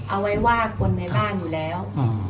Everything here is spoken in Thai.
เอาไว้ว่าคนในบ้านอยู่แล้ว